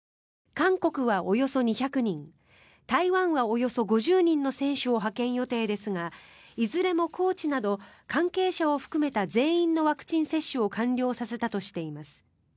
韓国はおよそ２００人台湾はおよそ５０人の選手を派遣予定ですがいずれもコーチなど関係者を含めた全員のワクチン接種を完了させたとしています。